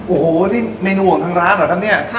โอ้โหนี่เมนูของทางร้านเหรอครับเนี่ย